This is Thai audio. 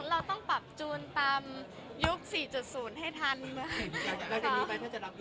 แล้วจากนี้ไปถ้าจะรับอีกวิวเราต้องตรวจสอบหนักกว่าเธอไหมหรือว่า